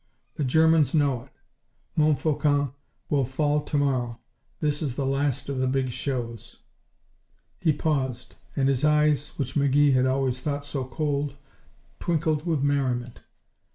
The Germans know it. Montfaucon will fall to morrow. This is the last of the big shows." He paused, and his eyes, which McGee had always thought so cold, twinkled with merriment.